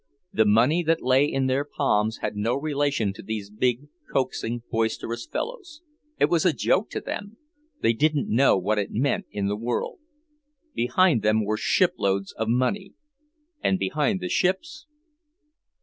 The money that lay in their palms had no relation to these big, coaxing, boisterous fellows; it was a joke to them; they didn't know what it meant in the world. Behind them were shiploads of money, and behind the ships....